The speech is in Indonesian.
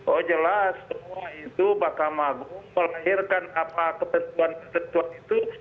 oh jelas semua itu mahkamah agung melahirkan apa ketentuan ketentuan itu